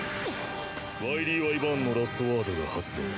ワイリーワイバーンのラストワードが発動。